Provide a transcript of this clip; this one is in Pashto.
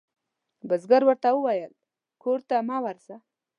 بزګر ورته وویل کور ته مه ورځه.